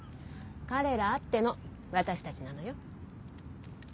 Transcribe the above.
彼らあっての私たちなのよ。